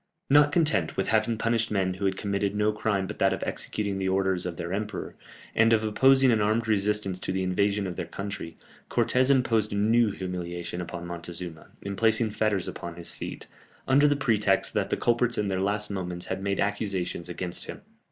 Not content with having punished men who had committed no crime but that of executing the orders of their emperor, and of opposing an armed resistance to the invasion of their country, Cortès imposed a new humiliation upon Montezuma, in placing fetters upon his feet, under the pretext that the culprits in their last moments had made accusations against him.